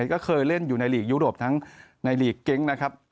ก็เคยเล่นอยู่ในหลีกยูโรปทั้งในหลีกเกงก์